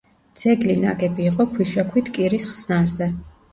ძეგლი ნაგები იყო ქვიშაქვით კირის ხსნარზე.